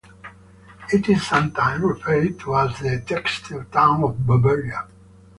It is sometimes referred to as the "Textile Town of Bavaria".